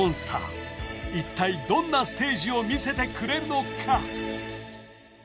一体どんなステージを見せてくれるのか？